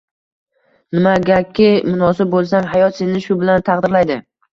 Nimagaki munosib bo’lsang, hayot seni shu bilan taqdirlaydi.